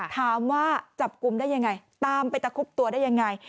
ถามว่าจับกลุ่มได้อย่างไรตามไปตระคุกตัวได้อย่างไร